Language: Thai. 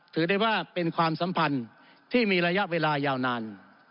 ถือได้ว่าเป็นความสัมพันธ์ที่มีระยะเวลายาวนาน